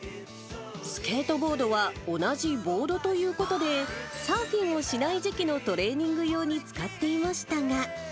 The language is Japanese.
スケートボードは同じボードということで、サーフィンをしない時期のトレーニング用に使っていましたが。